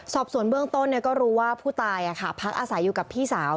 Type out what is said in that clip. สอบส่วนเบื้องต้นก็รู้ว่าผู้ตายพักอาศัยอยู่กับพี่สาว